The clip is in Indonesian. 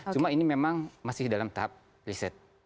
cuma ini memang masih dalam tahap riset